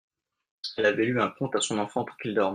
Elle avait lu un conte à son enfant pour qu’il dorme.